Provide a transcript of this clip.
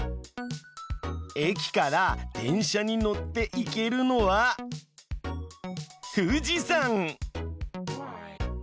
駅から電車に乗って行けるのは富士山！